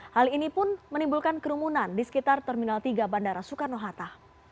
hal ini pun menimbulkan kerumunan di sekitar terminal tiga bandara soekarno hatta